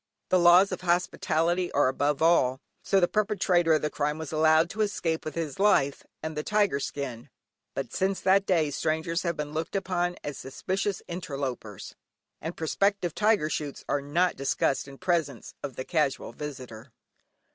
The laws of hospitality are above all, so the perpetrator of the crime was allowed to escape with his life and the tiger skin, but since that day strangers have been looked upon as suspicious interlopers, and prospective tiger shoots are not discussed in presence of the Casual Visitor.